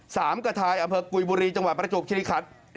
สามกระทายอำเภอกุยบุรีจังหวัดประจวบคิริคัน